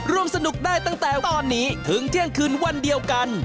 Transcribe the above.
ร่วมสนุกได้ตั้งแต่ตอนนี้ถึงเที่ยงคืนวันเดียวกัน